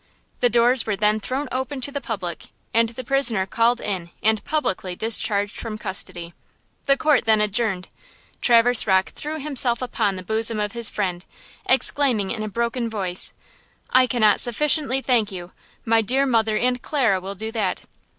The doors were then thrown open to the public, and the prisoner called in and publicly discharged from custody. The court then adjourned. Traverse Rocke threw himself upon the bosom of his friend, exclaiming in a broken voice: "I cannot sufficiently thank you! My dear mother and Clara will do that!"